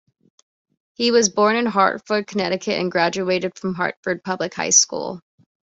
He was born in Hartford, Connecticut and graduated from Hartford Public High School.